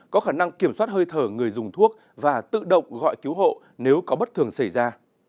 có khả năng kiểm soát hơi thở người dùng thuốc và tự động gọi cứu hộ nếu có bất thường xảy ra